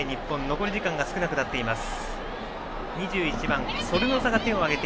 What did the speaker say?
残り時間が少なくなっています。